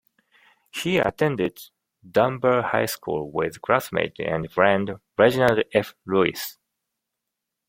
He attended Dunbar High School with classmate and friend Reginald F. Lewis.